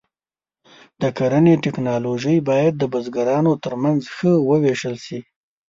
د کرنې ټکنالوژي باید د بزګرانو تر منځ ښه وویشل شي.